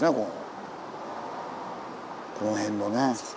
この辺のね。